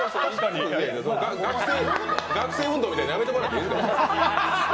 学生運動みたいなのやめてもらっていいですか？